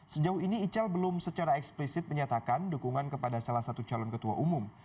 sejauh ini ical belum secara eksplisit menyatakan dukungan kepada salah satu calon ketua umum